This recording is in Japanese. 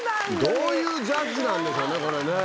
どういうジャッジなんでしょうね。